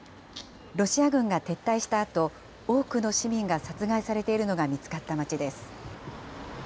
ロシア軍が撤退したあと、多くの市民が殺害されているのが見つかった町です。